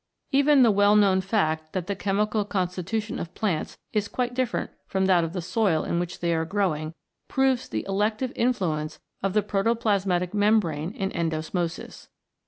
Even the well known fact that the chemical constitution of plants is quite different from that of the soil in which they are growing, proves the elective in fluence of the protoplasmatic membrane in endosmosis.